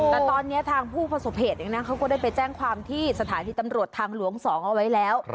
แต่ตอนนี้ทางผู้ประสบเหตุเองนะเขาก็ได้ไปแจ้งความที่สถานีตำรวจทางหลวง๒เอาไว้แล้ว